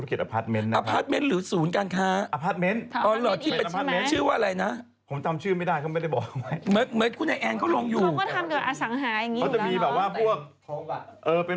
ล่าสุดมันก็แก้ผ้าโชว์ออกมาไม่เห็นเหรอนะเออ